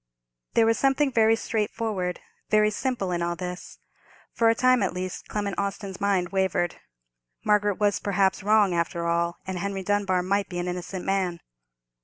There was something very straightforward, very simple, in all this. For a time, at least, Clement Austin's mind wavered. Margaret was, perhaps, wrong, after all, and Henry Dunbar might be an innocent man.